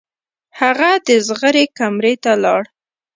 هغه د زغرې کمرې ته لاړ.